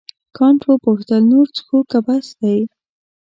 کانت وپوښتل نور څښو که بس دی.